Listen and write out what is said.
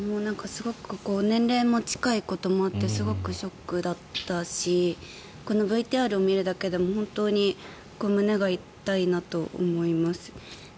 年齢も近いこともあってすごくショックだったしこのＶＴＲを見るだけでも本当に胸が痛いなと思います。